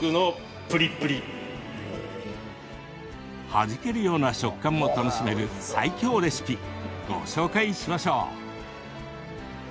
弾けるような食感も楽しめる最強レシピ、ご紹介しましょう。